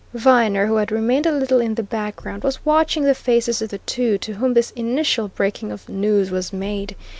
Viner, who had remained a little in the background, was watching the faces of the two to whom this initial breaking of news was made.